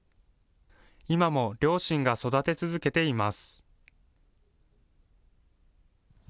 今も両親が育て続けています。